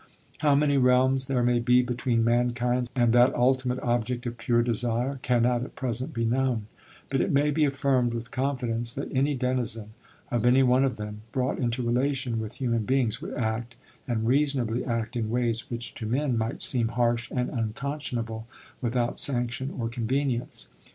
How many realms there may be between mankind's and that ultimate object of pure desire cannot at present be known, but it may be affirmed with confidence that any denizen of any one of them, brought into relation with human beings, would act, and reasonably act, in ways which to men might seem harsh and unconscionable, without sanction or convenience.